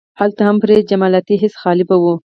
هلته هم پرې جمالیاتي حس غالب و.